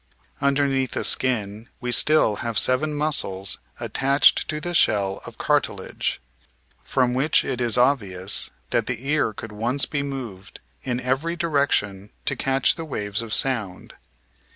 Underneath the skin we still have seven muscles attached to the shell of cartilage, from which it is obvious that the ear could once be moved in every direc tion to catch the waves of sound.